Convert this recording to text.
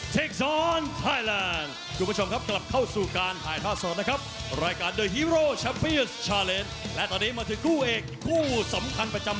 ทุกคนพร้อมทุกผู้ชายรักทางรักษีรักษีรักษีภัยกับชิคกี้พายชื่อสนทิเดฟจิม